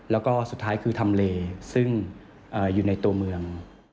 แล้วก็สุดท้ายคือทำเลซึ่งอยู่ในตัวเมือง